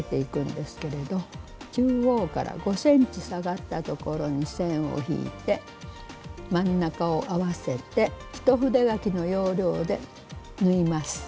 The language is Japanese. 中央から５ｃｍ下がったところに線を引いて真ん中を合わせて一筆書きの要領で縫います。